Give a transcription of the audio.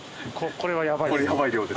これやばい量です。